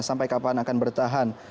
sampai kapan akan bertahan